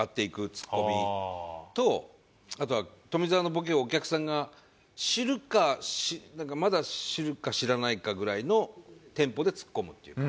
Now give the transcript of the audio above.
あとは富澤のボケをお客さんが知るかまだ知るか知らないかぐらいのテンポでツッコむというか。